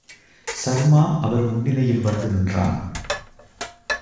சர்மா அவர் முன்னிலையில் வந்து நின்றான்.